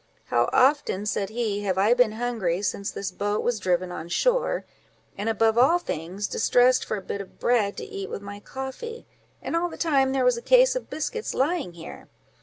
"How often," said he, "have I been hungry since this boat was driven on shore, and above all things, distressed for a bit of bread to eat with my coffee, and all the time there was a case of biscuits lying here!